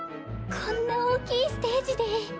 こんな大きいステージで。